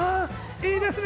いいですね！